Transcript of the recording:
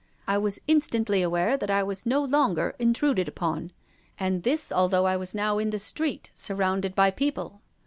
I was instantly aware that I was no longer intruded upon, and this although I was now in the street, surrounded by people.